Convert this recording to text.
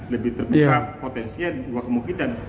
lebih terduga potensi dua kemungkinan